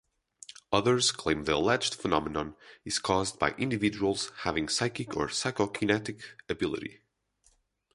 Others claim the alleged phenomenon is caused by individuals having psychic or psychokinetic ability.